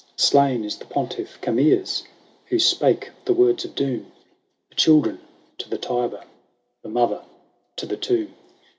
Slain is the Pontiff Gamers, Who spake the words of doom " The cliiMren to the Tiber, The mother to the tomb."